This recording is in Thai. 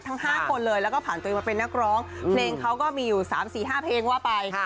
ทั้ง๕คนเลยแล้วก็ผ่านตัวเองมาเป็นนักร้องเพลงเขาก็มีอยู่๓๔๕เพลงว่าไป